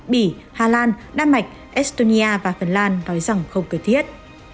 bỉ hà lan đan mạch estonia và phần lan nói rằng không cần thiết